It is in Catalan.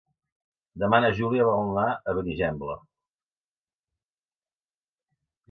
Demà na Júlia vol anar a Benigembla.